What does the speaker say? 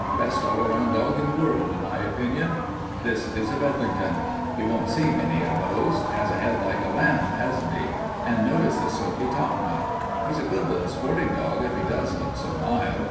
Best all round dog in the world in my opinion. This is a Bedlington. You won't see many of those. Has a head like a lamb, hasn't he? And notice the silky topknot. He's a good little sporting dog if he does look so mild.